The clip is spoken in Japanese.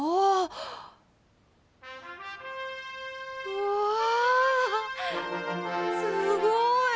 うわすごい！